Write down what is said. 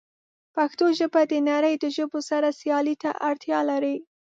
پښتو ژبه د نړۍ د ژبو سره سیالۍ ته اړتیا لري.